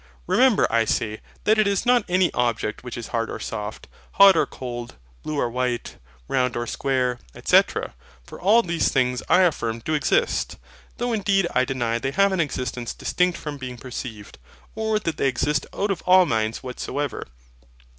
Remember I say, that it is not any object which is hard or soft, hot or cold, blue or white, round or square, &c. For all these things I affirm do exist. Though indeed I deny they have an existence distinct from being perceived; or that they exist out of all minds whatsoever.